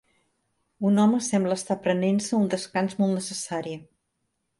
Un home sembla estar prenent-se un descans molt necessari.